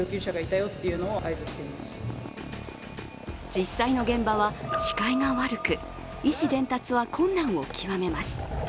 実際の現場は視界が悪く意思伝達は困難を極めます。